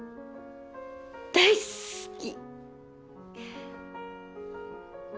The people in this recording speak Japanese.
大好き！